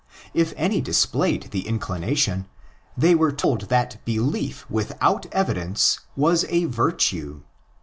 If any displayed the inclination, they were told that belief without evidence was a virtue.